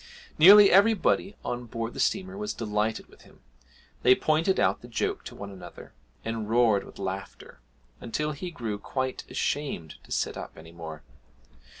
Nearly everybody on board the steamer was delighted with him; they pointed out the joke to one another, and roared with laughter, until he grew quite ashamed to sit up any more.